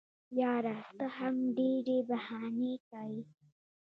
یاره ته هم ډېري بهانې کیې.